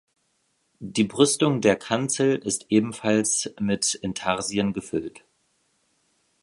Die Brüstung der Kanzel ist ebenfalls mit Intarsien gefüllt.